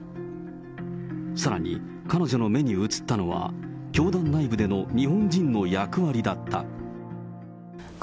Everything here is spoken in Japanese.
さらに、彼女の目に映ったのは、教団内部での日本人の役割だった。